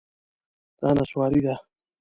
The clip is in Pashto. دا نسواري ده